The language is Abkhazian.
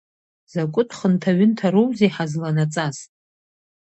Закәытә хынҭаҩынҭароузеи ҳазланаҵаз!